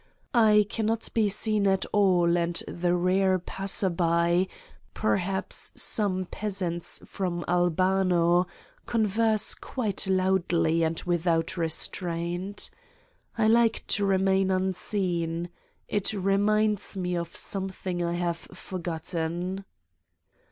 I cannot be seen at all and the rare passersby, per haps some peasants from Albano, converse quite loudly and without restraint. I like to remain unseen. It reminds me of something I have for gotten.